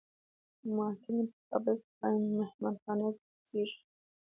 محصلین په کابل کې په مهانخانه کې اوسیږي.